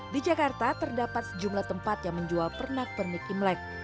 di jakarta terdapat sejumlah tempat yang menjual pernak pernik imlek